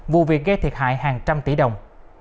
vụ việc gây thiệt hại hàng trăm tỷ đồng